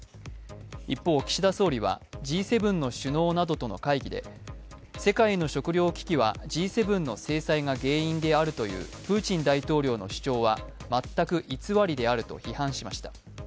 一方、岸田総理は、Ｇ７の首脳などとの会議で世界の食糧危機はＧ７の制裁が原因であるというプーチン大統領の主張は全く偽りであると批判しました。